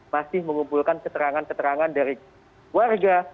masih mengumpulkan keterangan keterangan dari warga